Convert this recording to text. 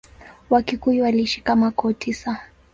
Wakikuyu waliishi kama koo tisa.